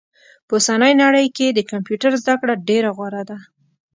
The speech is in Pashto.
په اوسني نړئ کي د کمپيوټر زده کړه ډيره غوره ده